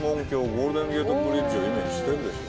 ゴールデン・ゲート・ブリッジをイメージしてるでしょ